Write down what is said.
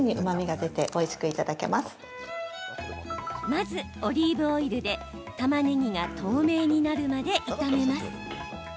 まず、オリーブオイルでたまねぎが透明になるまで炒めます。